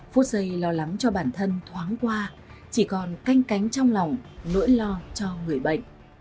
phút giây lo lắng cho bản thân thoáng qua chỉ còn canh cánh trong lòng nỗi lo cho người bệnh